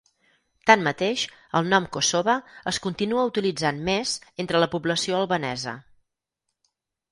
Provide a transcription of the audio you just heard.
Tanmateix, el nom "Kosova" es continua utilitzant més entre la població albanesa.